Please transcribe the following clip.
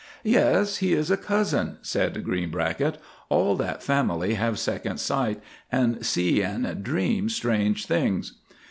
"Yes, he is a cousin," said Greenbracket; "all that family have second sight, and see and dream strange things."